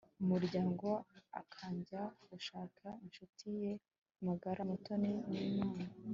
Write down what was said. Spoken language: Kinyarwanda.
umuryango akajya gushaka inshuti ye magara, mutoni. n'imana